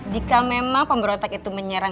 jika memang pemberontak itu menyerang